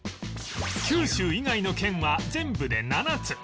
九州以外の県は全部で７つ